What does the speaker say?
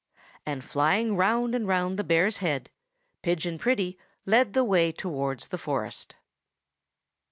and flying round and round the bear's head, Pigeon Pretty led the way towards the forest.